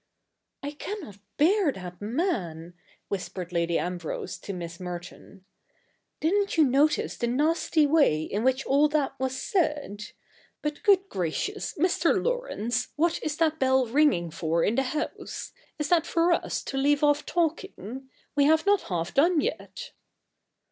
' I cannot bear that man,' whispered Lady Ambrose to Miss Merton. ' Didn't you notice the nasty way in which all that w^as said? But — good gracious, Mr. Laurence, what is that bell ringing for in the house ? Is that for us to leave off talking ? We have not half done yet.'